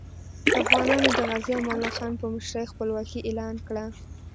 افغانانو د غازي امان الله خان په مشرۍ خپلواکي اعلان کړه.